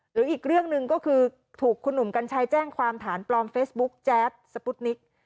หรืออีกเรื่องหนึ่งก็คือถูกคุณหนุ่มกัญชัยแจ้งความฐานปลอมเฟซบุ๊คแจ๊ดสปุตนิก